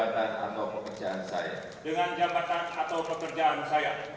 dengan jabatan atau pekerjaan saya